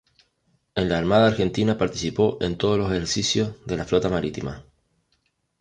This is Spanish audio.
En la Armada Argentina participó en todos los ejercicios de la flota marítima.